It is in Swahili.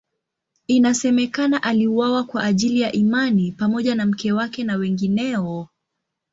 Inasemekana aliuawa kwa ajili ya imani pamoja na mke wake na wengineo.